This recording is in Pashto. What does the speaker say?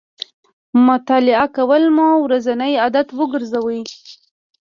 مطالعه کول مو ورځنی عادت وګرځوئ